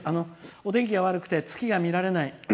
お天気が悪くて月が見られない。